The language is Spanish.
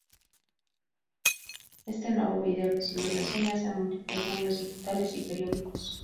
Este nuevo vídeo recibió reseñas en múltiples medios digitales y periódicos.